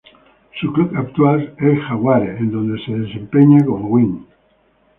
Su club actual es Jaguares en donde se desempeña como wing.